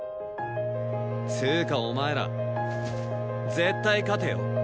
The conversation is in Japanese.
つうかお前ら絶対勝てよ。